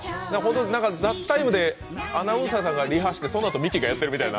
「ＴＨＥＴＩＭＥ，」でアナウンサーさんがリハしてそのあとミキがやってるみたいな。